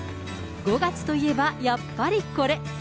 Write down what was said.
５月といえば、やっぱりこれ。